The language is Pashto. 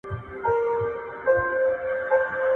د کورني نظام ساتل د ټولو ګډ مسئوليت دی.